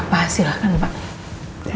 oh gapapa silahkan pak